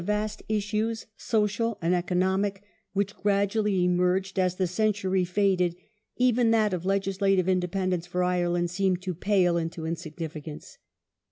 512 THE GLADSTONE ADMINISTRATION [1880 issues, social and economic, which gradually emerged as the century faded, even that of Legislative Independence for Ireland seemed to pale into insignificance.